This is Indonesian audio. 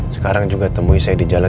sekarang juga temui saya di jalan